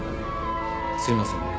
すいませんね。